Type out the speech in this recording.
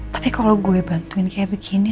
tapi kalau gue bantuin kayak begini